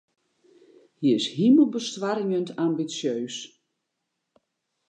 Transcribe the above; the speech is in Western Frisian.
Hy is himelbestoarmjend ambisjeus.